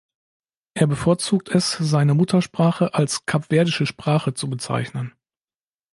Er bevorzugt es seine Muttersprache als 'Kapverdische Sprache' zu bezeichnen.